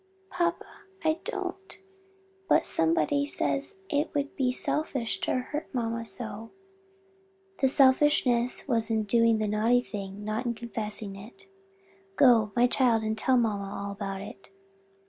"Papa, I don't; but somebody says it would be selfish to hurt mamma so." "The selfishness was in doing the naughty thing, not in confessing it. Go, my child, and tell mamma all about it."